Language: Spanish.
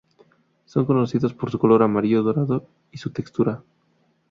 Son conocidos por su color amarillo dorado y su textura.